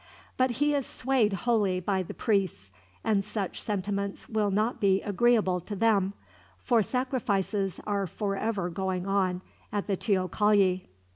But he is swayed wholly by the priests, and such sentiments will not be agreeable to them, for sacrifices are forever going on at the teocalli.